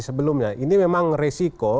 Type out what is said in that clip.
sebelumnya ini memang resiko